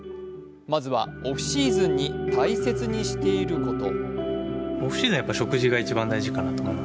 まずはオフシーズンに大切にしていること。